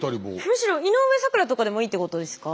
むしろイノウエサクラとかでもいいってことですか？